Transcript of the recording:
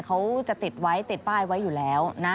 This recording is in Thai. เขาจะติดไว้ติดป้ายไว้อยู่แล้วนะ